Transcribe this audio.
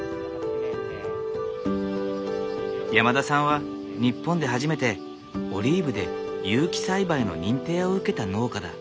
山田さんは日本で初めてオリーブで有機栽培の認定を受けた農家だ。